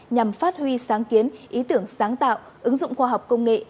nhằm phát huy sáng kiến ý tưởng sáng tạo ứng dụng khoa học công nghệ